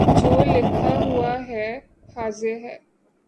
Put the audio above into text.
جو لکھا ہوا ہے حاضر ہے